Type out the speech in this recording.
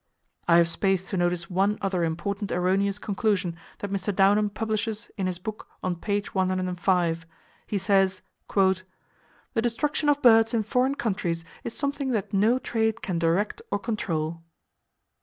I have space to notice one other important erroneous conclusion that Mr. Downham publishes in his book, on page 105. He says: "The destruction of birds in foreign countries is something that no trade can direct or control."